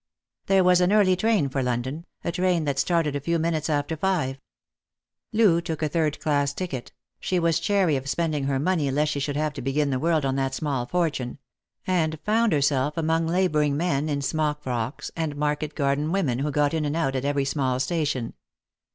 There was an early train for London, a train that started a few minutes after five. Loo took a third class ticket — she was chary of spending her money lest she should have to begin the world on that small fortune — and found herself among labouring men in smock frocks, and market garden women who got in and out at every small station.